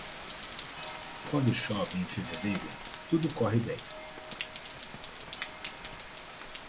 Quando chove em fevereiro, tudo corre bem.